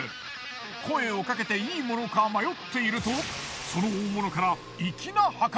声をかけていいものか迷っているとその大物から。